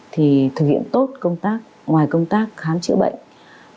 thì thực hiện tốt công tác ngoài công tác khám chữa bệnh quản lý sức khỏe